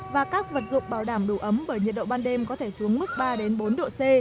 và các vật dụng bảo đảm đủ ấm bởi nhiệt độ ban đêm có thể xuống mức ba bốn độ c